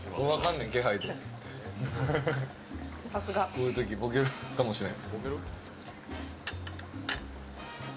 こういうときボケるかもしれん。